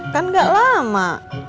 kan gak lama